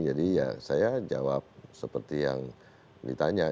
jadi ya saya jawab seperti yang ditanya